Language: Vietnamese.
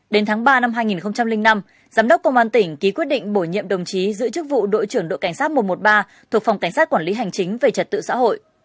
đến tháng ba năm hai nghìn năm giám đốc công an tỉnh ký quyết định bổ nhiệm đồng chí giữ chức vụ đội trưởng đội cảnh sát một trăm một mươi ba thuộc phòng cảnh sát quản lý hành chính về trật tự xã hội